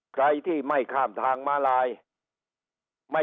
ใครที่ไม่ข้ามทางมาลาย